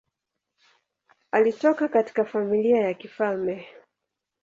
Alitoka katika familia ya kifalme.